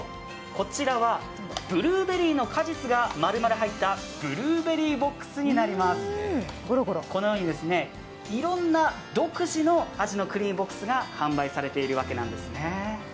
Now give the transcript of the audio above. こちらはブルーベリーの果実がまるまる入ったこのようにいろんな独自の味のクリームボックスが販売されているわけなんですね。